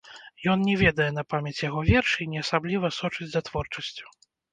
Ён не ведае на памяць яго вершы і не асабліва сочыць за творчасцю.